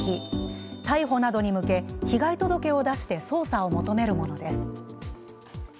逮捕などに向け、被害届を出して捜査を求めるものです。